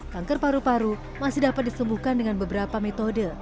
kanker paru paru masih dapat disembuhkan dengan beberapa metode